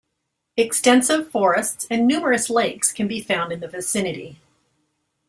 Extensive forests and numerous lakes can be found in the vicinity.